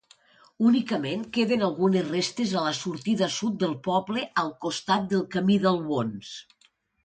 Únicament queden algunes restes a la sortida sud del poble al costat del camí d'Albons.